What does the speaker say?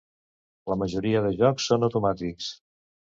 La majoria de jocs són automàtics.